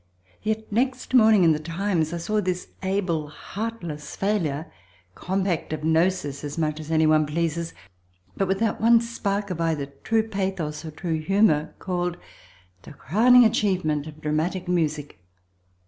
Yet next morning in the Times I saw this able, heartless failure, compact of gnosis as much as any one pleases but without one spark of either true pathos or true humour, called "the crowning achievement of dramatic music."